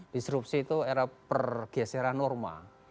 disrupsi itu era pergeseran norma